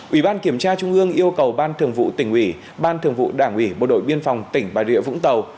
ủy ban kiểm tra trung ương yêu cầu ban thường vụ tỉnh ủy ban thường vụ đảng ủy bộ đội biên phòng tỉnh bà rịa vũng tàu